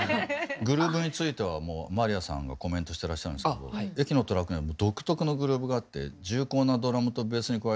グルーブについてはまりやさんがコメントしてらっしゃるんですけど「『駅』のトラックには独特のグルーブがあって重厚なドラムとベースに加えて